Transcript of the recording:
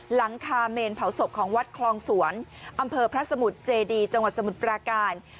หลังคาเมนเผาศพของวัดคลองสวนอำเภอพระสมุทรเจดีจังหวัดสมุทรปราการ